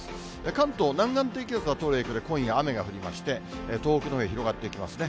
関東、南岸低気圧が通る影響で、今夜、雨が降りまして、東北のほうへ広がっていきますね。